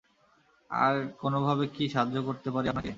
আর কোনোভাবে কি সাহায্য করতে পারি আপনাকে?